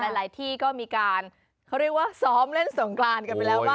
หลายที่ก็มีการเขาเรียกว่าซ้อมเล่นสงกรานกันไปแล้วบ้าง